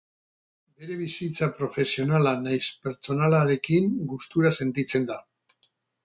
Bere bizitza profesionala nahiz pertsonalarekin gustura sentitzen da.